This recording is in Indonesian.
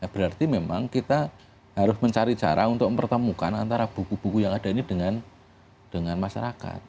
berarti memang kita harus mencari cara untuk mempertemukan antara buku buku yang ada ini dengan masyarakat